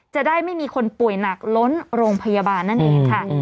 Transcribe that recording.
จะได้ไม่มีคนป่วยหนักล้นโรงพยาบาลนั่นเองค่ะ